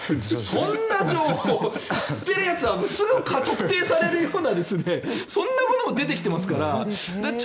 そんな情報、知ってるやつはすぐ特定されるようなそんなものも出てきていますから。